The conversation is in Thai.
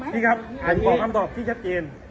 พี่ครับผมขอคำตอบที่ชัดเจน